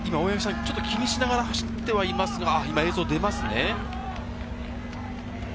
ちょっと気にしながら走っていますが、映像が出ますね。